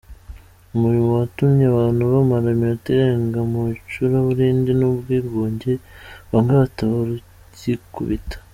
Umuriro watumye abantu bamara iminota irenga mu icuraburindi n’ubwigunge, bamwe bataba rugikubita.